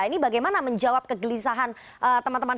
ini bagaimana menjawab kegelisahan teman teman